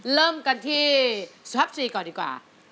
เริ่มกันที่ทัพ๔ก่อนดีกว่า